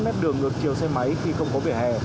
nép đường ngược chiều xe máy khi không có vỉa hè